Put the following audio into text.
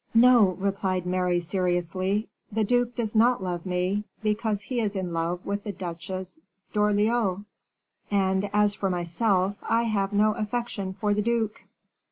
"No," replied Mary, seriously, "the duke does not love me, because he is in love with the Duchesse d'Orleans; and, as for myself, I have no affection for the duke."